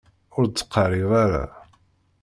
Ur d-ttqerrib ara.